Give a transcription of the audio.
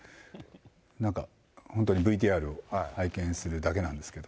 なんか、本当にＶＴＲ拝見するだけなんですけど。